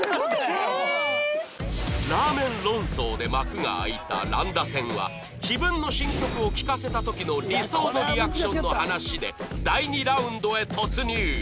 ラーメン論争で幕が開いた乱打戦は自分の新曲を聴かせた時の理想のリアクションの話で第２ラウンドへ突入！